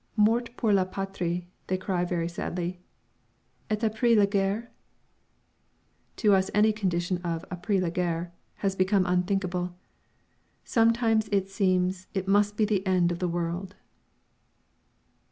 "Mort pour la patrie!" they cry sadly "et après la guerre?" To us any condition of "après la guerre" has become unthinkable. Sometimes it seems it must be the end of the world.